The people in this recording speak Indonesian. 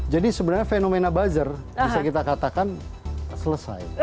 jadi sebenarnya fenomena buzzer bisa kita katakan selesai